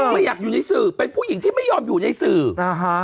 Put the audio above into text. ไม่อยากอยู่ในสื่อเป็นผู้หญิงที่ไม่ยอมอยู่ในสื่ออ่าฮะ